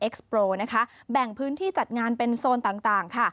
โปรนะคะแบ่งพื้นที่จัดงานเป็นโซนต่างค่ะ